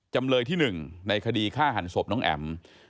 จำเลยที่๑ในคดีฆ่าหันศพน้องแอ๋ม